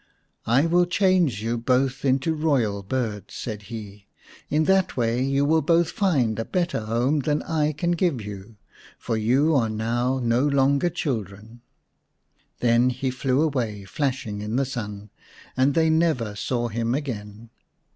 " I will change you both into royal birds," said he. " In that way you will both find a better home than I can give you, for you are now no longer children." Then he flew away, flashing in the sun, and they never saw him again.